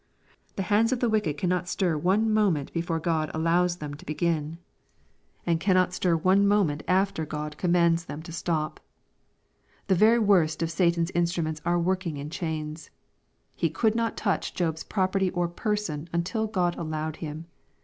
The hands of the wicked cannot stir one moment before God 432 EXPOSITORY THOfJGHTS, allows them to begin, and cannot stir one moment aftei God commands them to stop. The very worst of Satan'g instruments are working in chains. He could not touch Job's property or person until God allowed him.